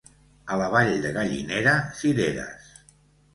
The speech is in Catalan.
A la Vall de Gallinera, cireres.